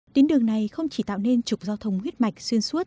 tuyến đường này không chỉ tạo nên trục giao thông huyết mạch xuyên suốt